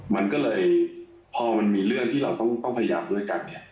มันก็เลยพอมันมีเรื่องที่เราต้องพยายามด้วยกันเนี่ย